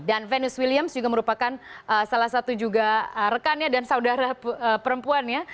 dan venus williams juga merupakan salah satu juga rekannya dan saudara perempuannya